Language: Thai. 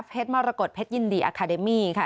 มรกฏเพชรยินดีอาคาเดมี่ค่ะ